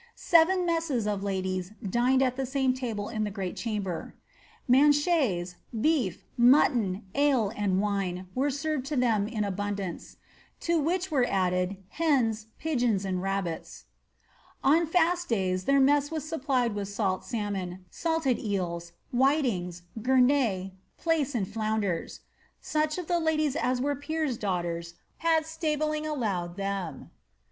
^ Seven messes of ladies dined at the same table in the great chamber. Manchets, beef, mutton, ale, and wine were •erved to them in abundance, to which were added hena, f'm|MiA^«xA TOL. IV. — W 134 AlflfB BOLBTir. rabbits. On &Bt days their mess was supplied with salt salmon, saltad eels, whitings, gurnet, plaice, and flounders. Such of the ladies as were peers' daughters had stabling allowed them."